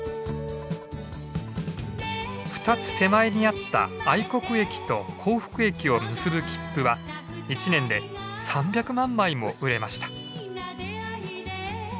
２つ手前にあった愛国駅と幸福駅を結ぶ切符は１年で３００万枚も売れました。